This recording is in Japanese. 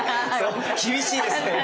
厳しいですね。